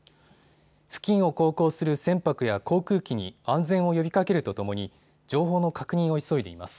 付近を航行する船舶や航空機に安全を呼びかけるとともに情報の確認を急いでいます。